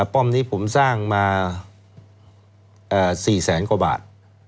ป้อมนี้ผมสร้างมา๔แสนกว่าบาท